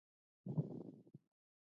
د دې پاڅون مشر او ملاتړی هوانګ چائو و.